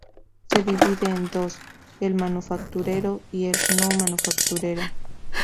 Se divide en dos: el Manufacturero y el No-Manufacturero.